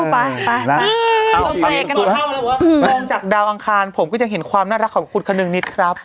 ไปกันมองจากดาวอังคารผมก็จะเห็นความน่ารักของคุณคนึงนิดครับ